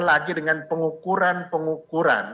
lagi dengan pengukuran pengukuran